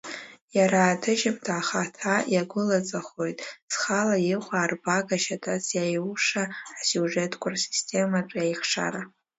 Иара аҭыжьымҭа ахаҭа иагәылаҵахоит зхала иҟоу арбага шьаҭас иаиуша асиужетқәа рсистематә еихшара.